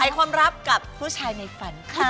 ความรักกับผู้ชายในฝันค่ะ